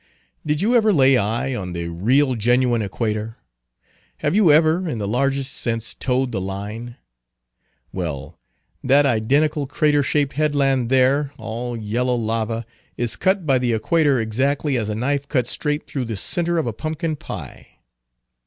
Did you ever lay eye on the real genuine Equator? Have you ever, in the largest sense, toed the Line? Well, that identical crater shaped headland there, all yellow lava, is cut by the Equator exactly as a knife cuts straight through the centre of a pumpkin pie.